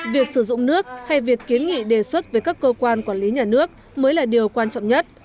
việc sử dụng nước hay việc kiến nghị đề xuất với các cơ quan quản lý nhà nước mới là điều quan trọng nhất